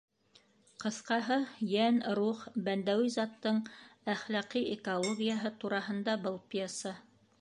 Ҡыҫҡаһы, йән, рух, бәндәүи заттың әхлаҡи экологияһы тураһында был пьеса.